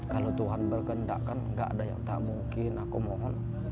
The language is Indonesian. kalau tuhan berkendak kan gak ada yang tak mungkin aku mohon